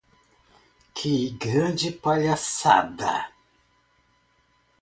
Que grande palhaçada.